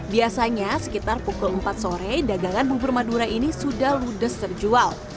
biasanya sekitar pukul empat sore dagangan bubur madura ini sudah ludes terjual